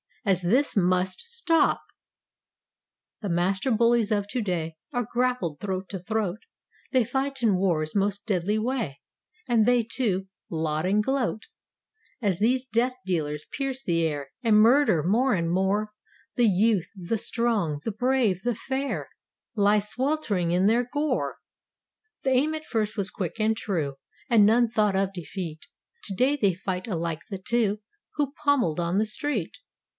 As this must stopT The master bullies of today Are grappled throat to throat; They fight in wars most deadly way. And they, too, laud and gloat As these death dealers pierce the air And murder more and more— The youth, the strong, the brave, the fair 198 Lie swelt'ring in their gore. The aim at first was quick and true, And none thought of defeat; Today they fight alike the two Who pommeled on the street.